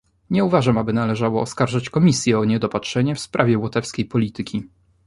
Nie uważam, aby należało oskarżać Komisję o niedopatrzenie w sprawie łotewskiej polityki